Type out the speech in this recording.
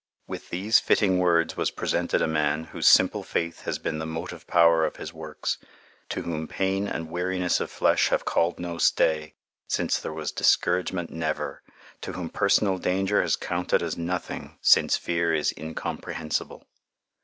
With these fitting words was presented a man whose simple faith has been the motive power of his works, to whom pain and weariness of flesh have called no stay since there was discouragement never, to whom personal danger has counted as nothing since fear is incomprehensible.